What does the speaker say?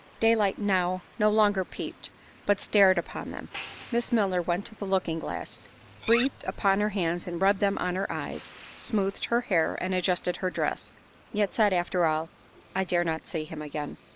Daylight now no longer peeped, but stared upon them. Miss Milner went to the looking glass, breathed upon her hands and rubbed them on her eyes, smoothed her hair and adjusted her dress; yet said, after all, "I dare not see him again."